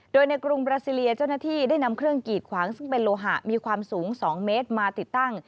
โดยในกรุงบราซิเลียเจ้าหน้าที่ได้นำเครื่องกีดขวางซึ่งเป็นโลหะมีความสูง๒เมตรมาติดตั้ง